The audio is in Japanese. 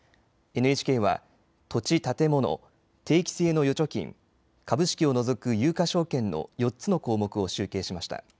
ＮＨＫは土地、建物、定期性の預貯金、株式を除く有価証券の４つの項目を集計しました。